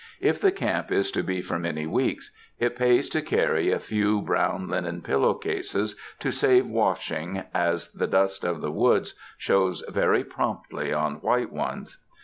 If the camp is to be for many weeks, it pays to carry a few brown linen pillow cases to save washing, as the dust of the woods shows very promptly on white ones.